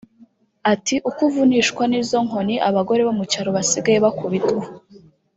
Ati "Ukuvunishwa nizo nkoni abagore bo mu cyaro basigaye bakubitwa